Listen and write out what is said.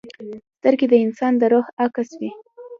سترګې د انسان د روح عکس وي